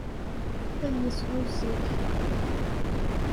Ad yesɛuẓẓeg.